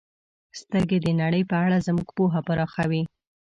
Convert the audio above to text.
• سترګې د نړۍ په اړه زموږ پوهه پراخوي.